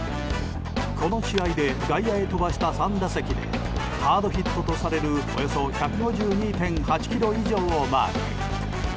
この試合で外野へ飛ばした３打席でハードヒットとされるおよそ１５２．８キロ以上をマーク。